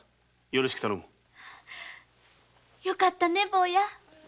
よかったわね坊や。